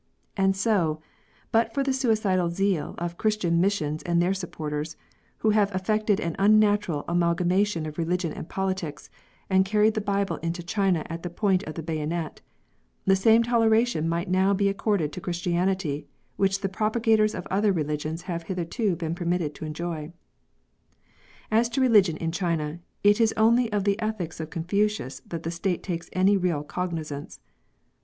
And so, but for the suicidal zeal of Christian missions and their supporters, who have effected an unnatural amalgamation of religion and politics, and carried the Bible into China at the point of the bayonet, the same toleration might now be accorded to Christianity which the propagators of other religions have hitherto been j)ermitted to enjoy. As to religion in China, it is only of the ethics of Confucius that the State takes any real cognizance.